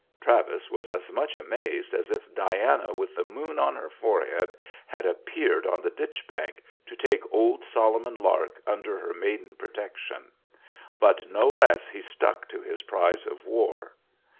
Travis was as much amazed as if Diana with the moon on her forehead had appeared on the ditch bank to take old Solomon Lark under her maiden protection; but no less he stuck to his prize of war.